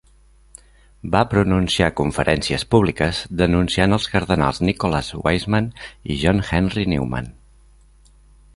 Va pronunciar conferències públiques denunciant els cardenals Nicholas Wiseman i John Henry Newman.